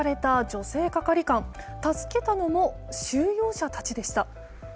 助けたのも収容者たちでした。